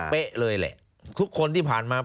เป๊ะเลยแหละทุกคนที่ผ่านมา